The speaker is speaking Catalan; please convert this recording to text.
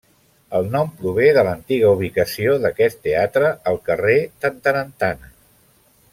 El nom prové de l'antiga ubicació d'aquest teatre al carrer Tantarantana.